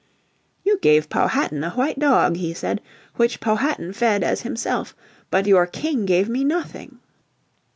"You gave Powhatan a white dog," he said, "which Powhatan fed as himself. But your King gave me nothing."